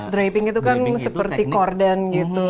draping itu kan seperti korden gitu